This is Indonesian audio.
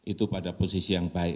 itu pada posisi yang baik